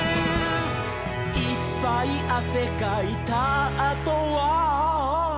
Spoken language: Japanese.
「いっぱいあせかいたあとは」